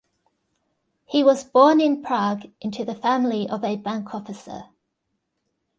He was born in Prague into the family of a bank officer.